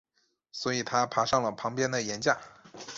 所以他爬上了旁边的岩架。